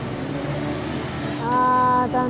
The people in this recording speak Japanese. ああ残念。